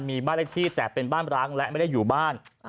มีบ้านเลขที่แต่เป็นบ้านร้างและไม่ได้อยู่บ้าน